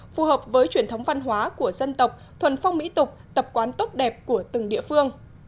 phù hợp với truyền thống văn hóa của dân tộc thuần phong mỹ tục tập quán tốt đẹp của từng địa phương